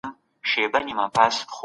ښځي وویل بېشکه